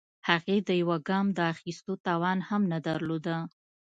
هغې د يوه ګام د اخيستو توان هم نه درلوده.